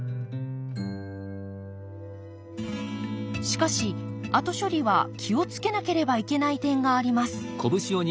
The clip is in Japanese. しかし後処理は気を付けなければいけない点があります。